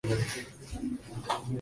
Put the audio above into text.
alanga mbio za magari unaweza kuita pia